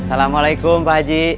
assalamualaikum pak haji